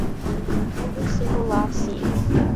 Every single last seat.